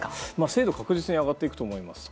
精度は確実に上がっていくと思います。